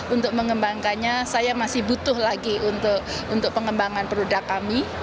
untuk mengembangkannya saya masih butuh lagi untuk pengembangan produk kami